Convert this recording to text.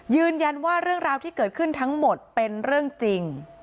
ยืนยันว่าเรื่องราวที่เกิดขึ้นทั้งหมดเป็นเรื่องจริง